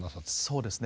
そうですね。